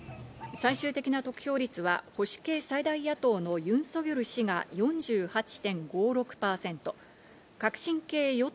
最終的な得票率は保守系・最大野党のユン・ソギョル氏が４８．５６パーセント。